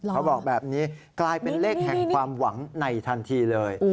เขาบอกแบบนี้กลายเป็นเลขแห่งความหวังในทันทีเลย